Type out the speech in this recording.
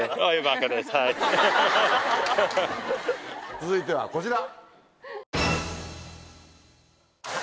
続いてはこちら。